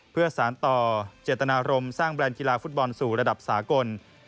เพื่อสารต่อเจตนารมณ์สร้างแบรนด์กีฬาฟุตบอลสู่ระดับสากล